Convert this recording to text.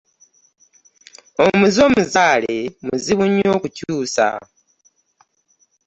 Omuze omuzaale muzibu nnyo okukyusa.